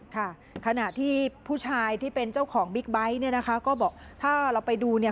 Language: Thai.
ขณะที่ผู้ชายที่เป็นเจ้าของบิ๊กไบท์เนี่ยนะคะก็บอกถ้าเราไปดูเนี่ย